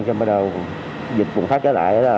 xong rồi dịch phùng phát trở lại